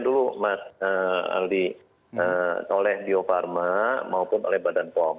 dulu mas aldi oleh bio farma maupun oleh badan pom